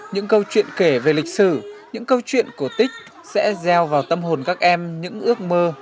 những câu chuyện kể về lịch sử những câu chuyện cổ tích sẽ gieo vào tâm hồn các em những ước mơ